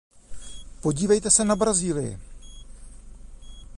Podívejte se na Brazílii.